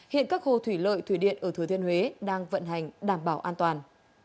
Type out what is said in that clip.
hiện các hồ thủy lợi thủy điện ở thừa thiên huế đang vận hành đảm bảo an toàn